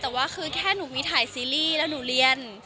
แต่ว่าคือแค่หนูมีถ่ายซีรีส์แล้วหนูเรียน